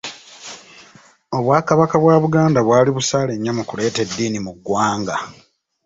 Obwakabaka bwa Buganda bwali busaale nnyo mu kuleeta eddiini mu ggwanga.